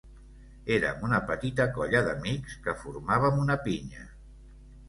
Érem una petita colla d'amics que formàvem una pinya.